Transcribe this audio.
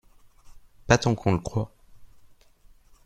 Pas tant qu’on le croit.